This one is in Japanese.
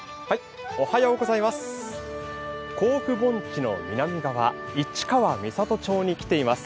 甲府盆地の南側、市川三郷町に来ています。